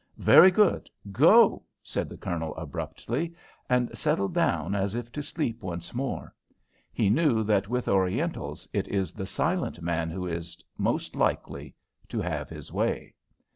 "Very good! Go!" said the Colonel, abruptly, and settled down as if to sleep once more. He knew that with Orientals it is the silent man who is most likely to have his way.